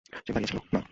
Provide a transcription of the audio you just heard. সে দাঁড়িয়ে ছিল না।